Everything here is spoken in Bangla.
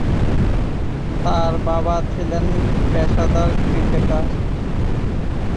তার বাবা ছিলেন পেশাদার ক্রিকেটার।